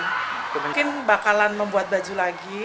mungkin bakalan membuat baju lagi